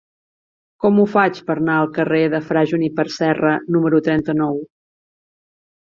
Com ho faig per anar al carrer de Fra Juníper Serra número trenta-nou?